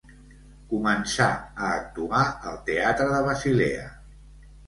Començà a actuar al Teatre de Basilea.